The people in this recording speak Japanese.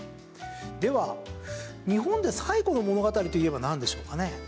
では日本で最後の物語といえばなんでしょうかね。